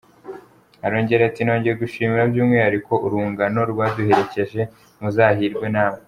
Arongera ati, “Nongeye gushimira by’umwihariko urungano rwaduherekeje muzahirwe namwe ”.